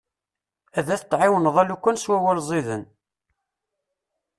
Ad t-tɛiwneḍ alukan s wawal ziden.